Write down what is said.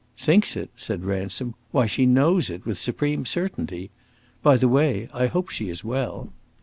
"Thinks it?" said Ransom. "Why, she knows it, with supreme certainty! By the way, I hope she is well."